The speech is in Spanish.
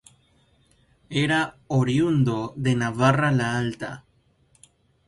Era oriundo de Navarra la Alta.